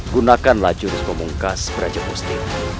gunakanlah jurus pemungkas brajamusti